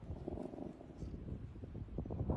江界线